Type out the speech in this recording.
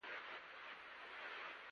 د نامستقیمو نقدونو لمن هم پراخه شوه.